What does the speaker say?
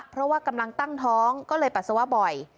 เพราะว่ากำลังตั้งท้องก็เลยปัสสาวะบ่อย